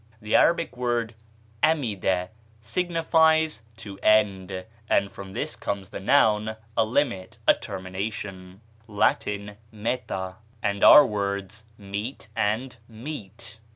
The Arabic word amida signifies to end, and from this comes the noun, a limit, a termination, Latin meta, and our words meet and mete.